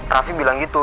raffi bilang gitu